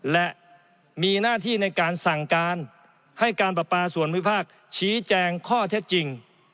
และมีหน้าที่ในการสั่งการให้การประปาส่วนวิภาคชี้แจงข้อเท็จจริง